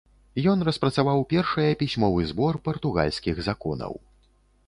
Ён распрацаваў першае пісьмовы збор партугальскіх законаў.